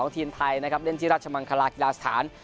ทีมไทยนะครับเล่นที่ราชมังคลากีฬาสถาน